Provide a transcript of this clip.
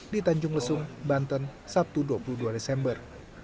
di tanjung lesung banten sabtu dua puluh dua desember